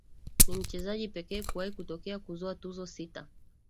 Ni mchezaji pekee kuwahi kutokea kuzoa tuzo sita